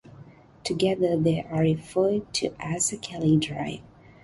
Together they are referred to as a "kelly drive".